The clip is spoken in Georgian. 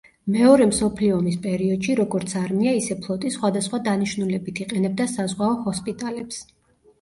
მეორე მსოფლიო ომის პერიოდში, როგორც არმია ისე ფლოტი სხვადასხვა დანიშნულებით იყენებდა საზღვაო ჰოსპიტალებს.